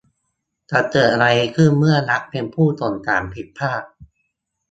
จะเกิดอะไรขึ้นเมื่อรัฐเป็นผู้ส่งสารผิดพลาด !